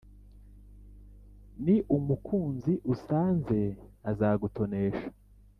Ni umukunzi usanze azagutonesha